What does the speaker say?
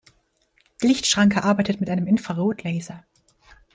Die Lichtschranke arbeitet mit einem Infrarotlaser.